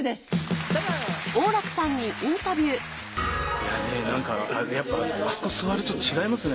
いやね何かやっぱあそこ座ると違いますね。